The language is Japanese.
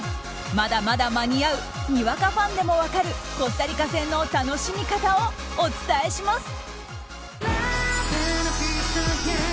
まだまだ間に合うにわかファンでも分かるコスタリカ戦の楽しみ方をお伝えします。